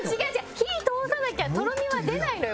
火通さなきゃとろみは出ないのよ